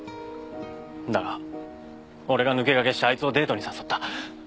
だが俺が抜け駆けしてあいつをデートに誘った。